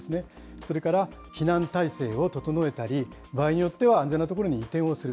それから避難体制を整えたり、場合によっては安全な所に移転をする。